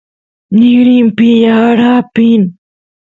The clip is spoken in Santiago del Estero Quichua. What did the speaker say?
nigrinpi yaar apin